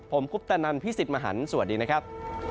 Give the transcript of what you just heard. ผมกุ๊ปตะนันท์พิสิทธิ์มหันทร์สวัสดีนะครับ